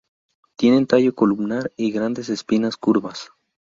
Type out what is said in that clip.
Tienen tallo columnar y grandes espinas curvas.